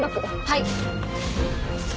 はい。